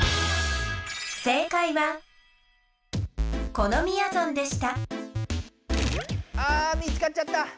このみやぞんでしたあ見つかっちゃった！